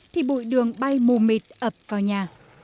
thì bụi đường bay mù mịt ập vào nhà